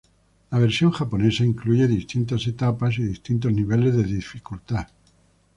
La versión japonesa incluye distintas etapas y distintos niveles de dificultad.